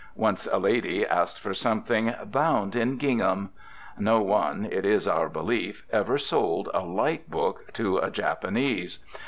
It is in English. Once a lady asked for something "bound in gingham." No one, it is our belief, ever sold a light book to a Japanese.